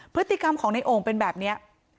พฤติกรรมของในโอ่งเป็นแบบนี้